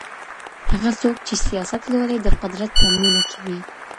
هغه څوک چې سیاست لولي د قدرت په مینه کې وي.